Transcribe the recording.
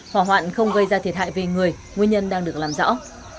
hỏa hoạn không gây ra thiệt hại về người nguyên nhân đang được làm rõ